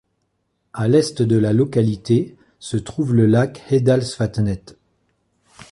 À l'est de la localité se trouve le lac Heddalsvatnet.